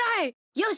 よし！